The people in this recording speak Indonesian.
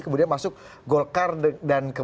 kemudian masuk golkar dan kemudian nasdem yang secara